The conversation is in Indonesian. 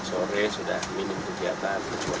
sore sudah minum kegiatan